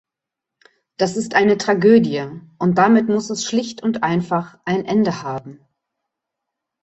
Das ist eine Tragödie, und damit muss es schlicht und einfach ein Ende haben.